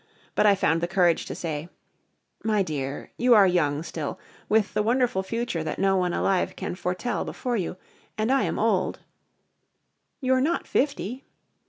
But I found the courage to say: "My dear, you are young still, with the wonderful future that no one alive can foretell before you, and I am old " "You're not fifty."